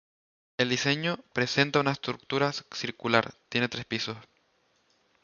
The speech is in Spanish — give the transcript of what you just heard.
El diseño presenta una estructura circular, tiene tres pisos.